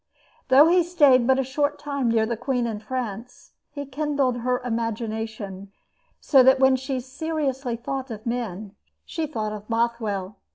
Though he stayed but a short time near the queen in France, he kindled her imagination, so that when she seriously thought of men she thought of Bothwell.